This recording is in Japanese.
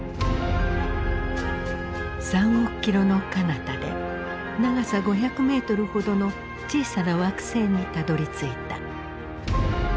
３億キロのかなたで長さ５００メートルほどの小さな惑星にたどりついた。